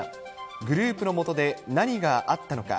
グループの下で何があったのか。